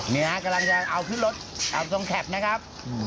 เนี้ยกำลังจะเอาขึ้นรถเอาตรงแข็บนะครับ